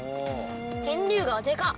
天竜川でかっ！